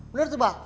bener tuh pak